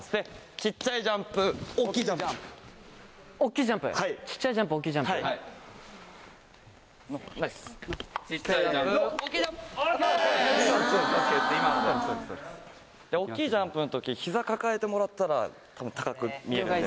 ・小っちゃいジャンプ・大っきいジャンプの時膝抱えてもらったら多分高く見えるんで。